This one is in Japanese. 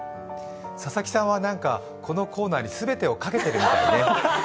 佐々木さんはこのコーナーに全てをかけてるみたいね。